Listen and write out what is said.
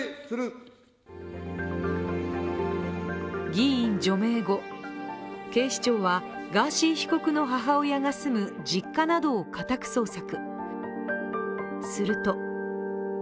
議員除名後、警視庁はガーシー被告の母親が住む実家などを家宅捜索。